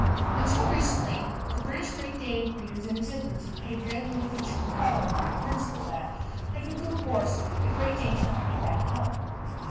Until recently British Great Dane breeders and exhibitors have paid very little attention to colour, on the principle that, like a good horse, a good Great Dane cannot be a bad colour.